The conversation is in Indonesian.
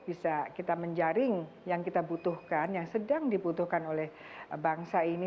bisa kita menjaring yang kita butuhkan yang sedang dibutuhkan oleh bangsa ini